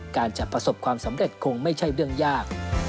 จะประสบความสำเร็จคงไม่ใช่เรื่องยาก